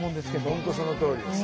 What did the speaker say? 本当そのとおりです。